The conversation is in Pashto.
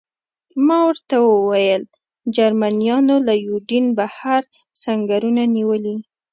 ما ورته وویل: جرمنیانو له یوډین بهر سنګرونه نیولي.